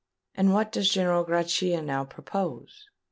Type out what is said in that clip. "And what does General Grachia now propose?"